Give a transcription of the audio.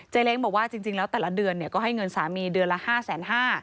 เล้งบอกว่าจริงแล้วแต่ละเดือนก็ให้เงินสามีเดือนละ๕๕๐๐บาท